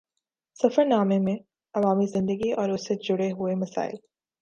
سفر نامے میں عوامی زندگی اور اُس سے جڑے ہوئے مسائل